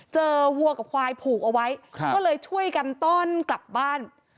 วัวกับควายผูกเอาไว้ก็เลยช่วยกันต้อนกลับบ้าน